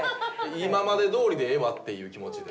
今までどおりでいえばっていう気持ちで。